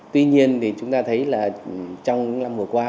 tuy nhiên thì chúng ta thấy là trong những năm vừa qua